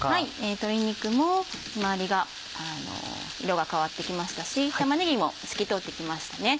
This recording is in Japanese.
鶏肉も周りが色が変わってきましたし玉ねぎも透き通ってきましたね。